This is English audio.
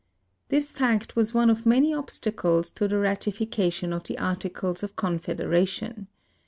This fact was one of many obstacles to the ratification of the Articles of Confedera tion.